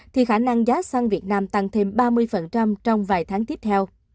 thì khả năng giá xăng việt nam tăng thêm ba mươi trong vài tháng tiếp theo